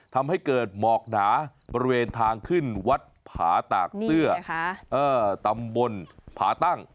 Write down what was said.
ทำให้เกิดหมอกหนาบริเวณทางขึ้นวัดผาตากเสื้อตำบลผาตั้ง